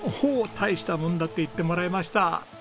「大したもんだ」って言ってもらいました！